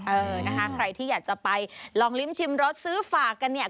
เออนะคะใครที่อยากจะไปลองลิ้มชิมรสซื้อฝากกันเนี่ย